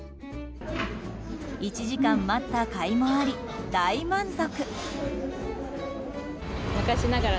１時間待ったかいもあり大満足。